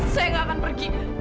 saya gak akan pergi